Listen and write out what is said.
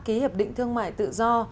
ký hiệp định thương mại tự do